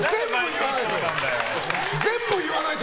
全部言わないと！